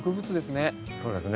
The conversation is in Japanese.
そうですね。